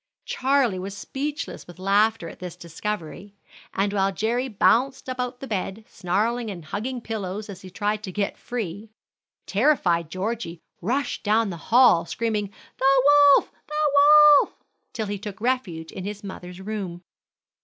Charlie was speechless with laughter at this discovery, and while Jerry bounced about the bed snarling and hugging pillows as he tried to get free, terrified Georgie rushed down the hall screaming, "The wolf! the wolf!" till he took refuge in his mother's room.